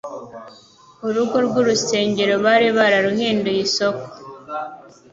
Urugo rw'uruisengero bari bararuhinduye isoko.